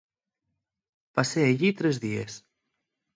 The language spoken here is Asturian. Pasé ellí tres díes.